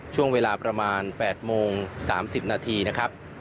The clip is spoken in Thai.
ช่วงเวลาประมาณ๘โมง๓๐นาทีนะครับ